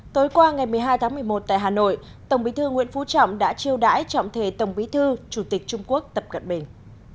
tối qua ngày một mươi hai tháng một mươi một tại hà nội tổng bí thư nguyễn phú trọng đã chiêu đãi trọng thể tổng bí thư chủ tịch trung quốc tập cận bình